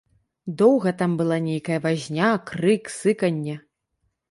Доўга там была нейкая вазня, крык, сыканне.